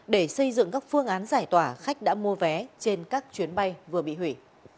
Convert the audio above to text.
để xây dựng các phương án giải tỏa khách đã mua vé trên các chuyến bay vừa bị hủy